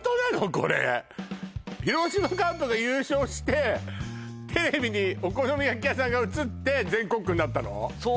これ広島カープが優勝してテレビにお好み焼き屋さんが映って全国区になったの？